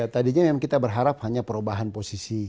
tadinya memang kita berharap hanya perubahan posisi